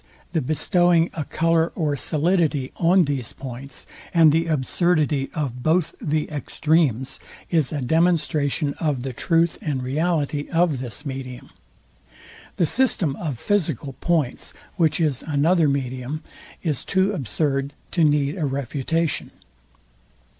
the bestowing a colour or solidity on these points; and the absurdity of both the extremes is a demonstration of the truth and reality of this medium. The system of physical points, which is another medium, is too absurd to need a refutation.